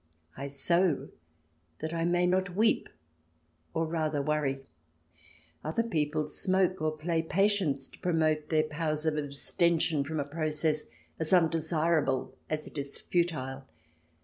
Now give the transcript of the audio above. I sew that I may not weep — or, rather, worry. Other people smoke or play Patience to promote their powers of abstention from a process as undesirable as it is futile.